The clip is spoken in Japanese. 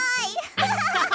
アハハハ。